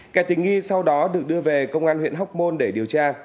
kẻ tình nghi sau đó được đưa về công an huyện hóc môn để điều tra